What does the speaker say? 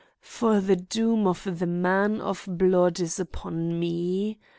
For the doom of the man of blood is upon me.